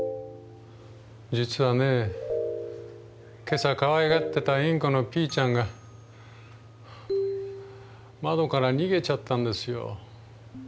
実はね今朝かわいがってたインコのピーちゃんが窓から逃げちゃったんですよ。